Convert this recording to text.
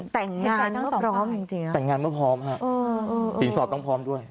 แต่งงานแล้วพร้อมฮะสินสอบต้องพร้อมด้วย